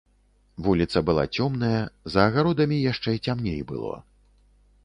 Вуліца была цёмная, за агародамі яшчэ цямней было.